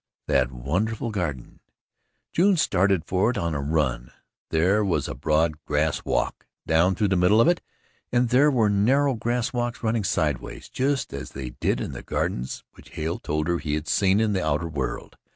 That wonderful garden! June started for it on a run. There was a broad grass walk down through the middle of it and there were narrow grass walks running sidewise, just as they did in the gardens which Hale told her he had seen in the outer world.